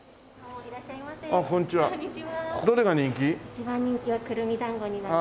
一番人気はくるみだんごになります。